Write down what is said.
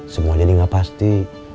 semua jadi gak pasti